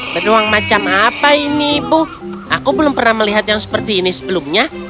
beruang macam apa ini ibu aku belum pernah melihat yang seperti ini sebelumnya